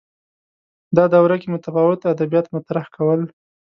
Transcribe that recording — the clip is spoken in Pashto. دا دوره کې متفاوت ادبیات مطرح کول